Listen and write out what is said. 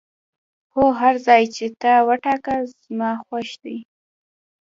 هو، هر ځای چې تا وټاکه زما خوښ دی.